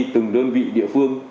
từng đơn vị địa phương